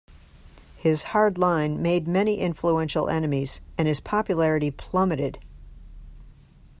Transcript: His hard line made many influential enemies, and his popularity plummeted.